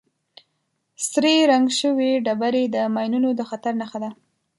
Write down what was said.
سرې رنګ شوې ډبرې د ماینونو د خطر نښه ده.